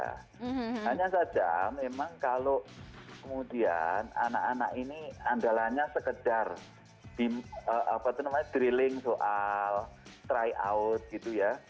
hanya saja memang kalau kemudian anak anak ini andalanya sekedar drilling soal try out gitu ya